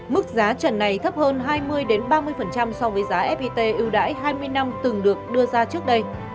mức giá trần này thấp hơn hai mươi ba mươi so với giá fit ưu đãi hai mươi năm từng được đưa ra trước đây